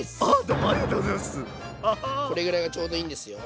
どうもこれぐらいがちょうどいいんですよ。